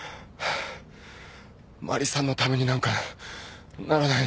マリさんのためになんかならないのに。